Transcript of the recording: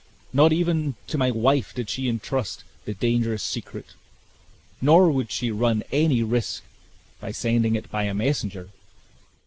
Not even to my wife did she intrust the dangerous secret, nor would she run any risk by sending it by a messenger.